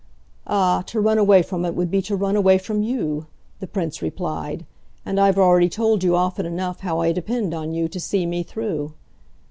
"Ah, to run away from it would be to run away from you," the Prince replied; "and I've already told you often enough how I depend on you to see me through."